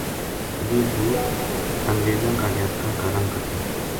یہ بھُوت انگریزاں کا جاتکاں کا رنگ کا تھا